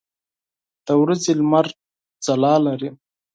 د ورځې لمر ځلا لري.